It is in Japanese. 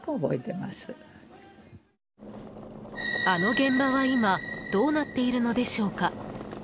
あの現場は今どうなっているのでしょうか？